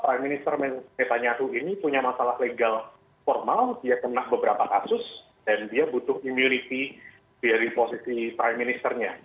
priminester netanyahu ini punya masalah legal formal dia kena beberapa kasus dan dia butuh immunity dari posisi prime ministernya